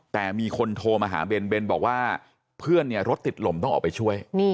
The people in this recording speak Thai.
แต่มีคนโทรมาหาเบนเบนบอกว่าเพื่อนเนี่ยรถติดลมต้องออกไปช่วย